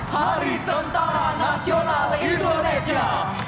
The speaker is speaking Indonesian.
hari tentara nasional indonesia